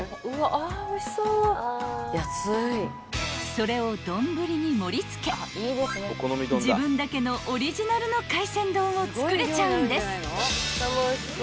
［それを丼に盛り付け自分だけのオリジナルの海鮮丼を作れちゃうんです］